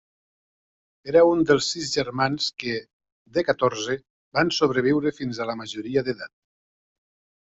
Era un dels sis germans que, de catorze, van sobreviure fins a la majoria d'edat.